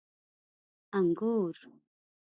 🍇 انګور